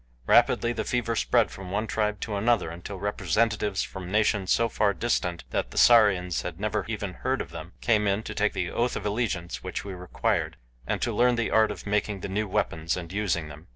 Rapidly the fever spread from one tribe to another until representatives from nations so far distant that the Sarians had never even heard of them came in to take the oath of allegiance which we required, and to learn the art of making the new weapons and using them.